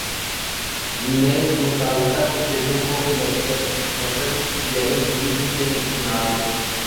نے متعلقہ ججوں کو مرتد یعنی دین سے منحرف